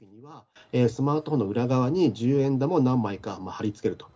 スマートフォンの裏側に十円玉を何枚か貼り付けると。